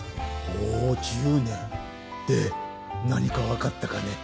ほう１０年で何か分かったかね？